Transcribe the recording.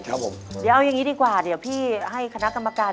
เดี๋ยวเอายังงี้ดีกว่าเดี๋ยวพี่ให้คณะกรรมการ